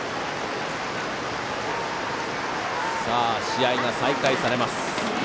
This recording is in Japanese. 試合が再開されます。